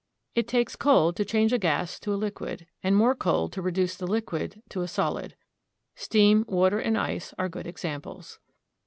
It takes cold to change a gas to a liquid, and more cold to reduce the liquid to a solid. Steam, water, and ice are good examples.